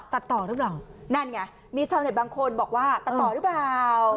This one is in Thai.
ตัดต่อหรือเปล่านั่นไงมีชาวเน็ตบางคนบอกว่าตัดต่อหรือเปล่า